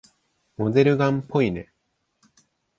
モデルガンっぽいね。